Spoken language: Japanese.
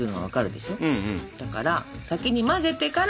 だから先に混ぜてから。